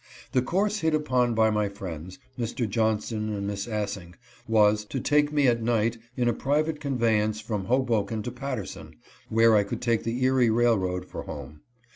The course hit upon by my friends, Mr. Johnston and Miss Assing, was, to take me at night in a private conveyance from Hoboken to Paterson, where I could take the Erie railroad for home.